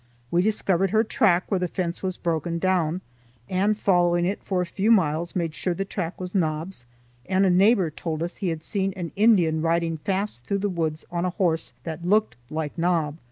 We discovered her track where the fence was broken down, and, following it for a few miles, made sure the track was Nob's; and a neighbor told us he had seen an Indian riding fast through the woods on a horse that looked like Nob.